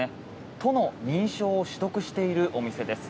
都の認証を取得しているお店です。